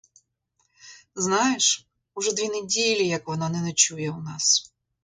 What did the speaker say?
Знаєш, уже дві неділі, як вона не ночує у нас.